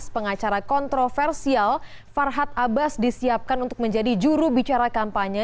pengacara kontroversial farhad abbas disiapkan untuk menjadi jurubicara kampanye